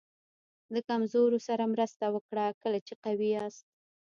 د کمزورو سره مرسته وکړه کله چې قوي یاست.